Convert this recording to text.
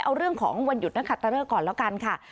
เอาเรื่องของวันหยุดนักขัดตะเลิกก่อนแล้วกันค่ะ